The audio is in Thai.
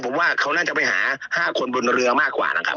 ผมว่าเขาน่าจะไปหา๕คนบนเรือมากกว่านะครับ